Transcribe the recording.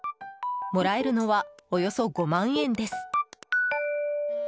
もらえるのは、およそ５万円です。